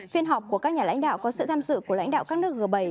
phiên họp của các nhà lãnh đạo có sự tham dự của lãnh đạo các nước g bảy